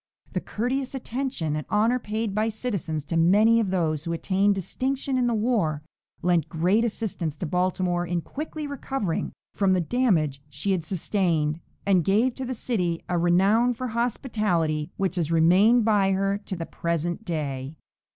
The courteous attention and honor paid by citizens to many of those who attained distinction in the war lent great assistance to Baltimore in quickly recovering from the damage she had sustained, and gave to the city a renown for hospitality which has remained by her to the present day.